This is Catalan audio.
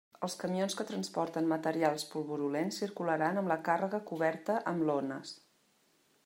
Els camions que transporten materials pulverulents circularan amb la càrrega coberta amb lones.